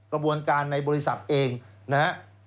กระบวนการในบริษัทเองนะฮะ